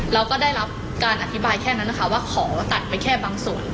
เราก็ได้รับการอธิบายแค่นั้นนะคะว่าขอตัดไปแค่บางส่วน